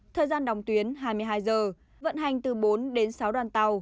thời gian đóng tuyến hai mươi hai giờ vận hành từ bốn đến sáu đoàn tàu